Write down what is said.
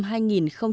đây là bước đột phương